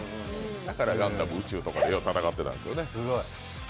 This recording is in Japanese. だからガンダムは宇宙とかでよく戦ってたんですね。